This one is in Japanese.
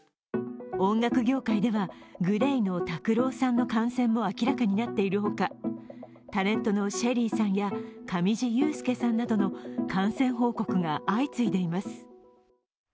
音楽業界ではＧＬＡＹのＴＡＫＵＲＯさんの感染も明らかになっている他、タレントのＳＨＥＬＬＹさんや上地雄輔さんなどの感染報告が相次いでいます。